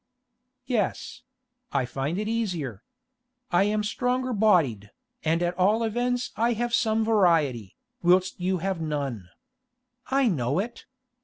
'Yes; I find it easier. I am stronger bodied, and at all events I have some variety, whilst you have none. I know it.